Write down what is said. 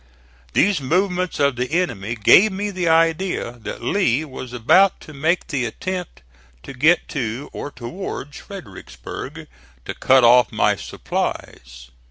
These movements of the enemy gave me the idea that Lee was about to make the attempt to get to, or towards, Fredericksburg to cut off my supplies.